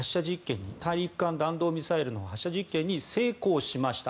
大陸間弾道ミサイルの発射に成功しました。